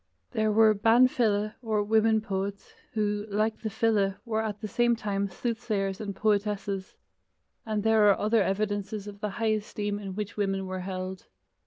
There were ban file, or women poets, who, like the file, were at the same time soothsayers and poetesses, and there are other evidences of the high esteem in which women were held.